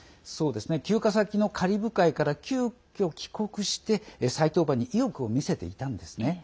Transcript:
休暇先のカリブ海から急きょ、帰国して再登板に意欲を見せていたんですね。